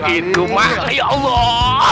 itu mah ya allah